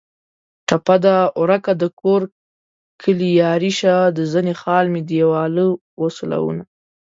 ټپه ده: ورکه دکور کلي یاري شه د زنې خال مې دېواله و سولونه